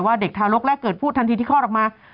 ว่าเด็กทางโลกแรกเกิดผู้ทันทีที่ข้อดอกมา